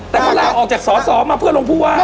แต่เหละออกจากสสเมื่อมาเพื่อนหลงพฟุวา